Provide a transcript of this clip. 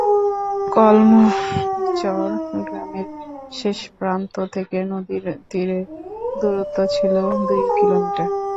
কলমিরচর গ্রামের শেষ প্রান্ত থেকে নদীর তীরের দূরত্ব ছিল দুই কিলোমিটার।